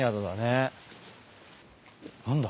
何だ？